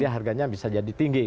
harganya bisa jadi tinggi